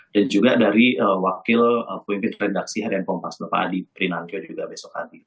juga dari wakil pemimpin redaksi harian kompas bapak adi prinantio juga besok hari